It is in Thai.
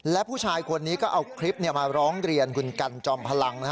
และผู้ชายคนนี้ก็เอาคลิปมาร้องเรียนคุณกันจอมพลัง